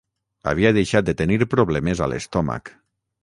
Havia deixat de tenir problemes a l’estómac.